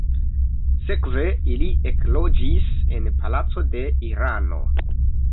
Sekve ili ekloĝis en palaco de Irano.